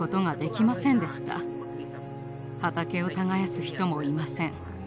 畑を耕す人もいません。